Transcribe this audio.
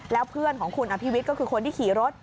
แล้วเพื่อนของคุณอภิวิตก็คือคนที่ขี่รถ